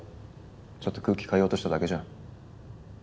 ちょっと空気変えようとしただけじゃん。